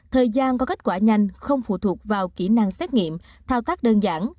thời gian có kết quả nhanh không phụ thuộc vào kỹ năng xét nghiệm thao tác đơn giản